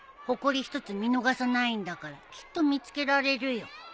ほこり一つ見逃さないんだからきっと見つけられるよ。